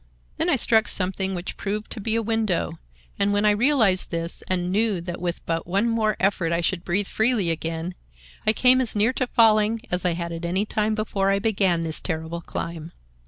Then I struck something which proved to be a window; and when I realized this and knew that with but one more effort I should breathe freely again, I came as near falling as I had at any time before I began this terrible climb.